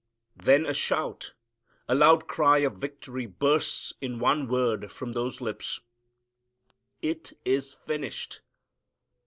Then a shout, a loud cry of victory bursts in one word from those lips, "It is finished."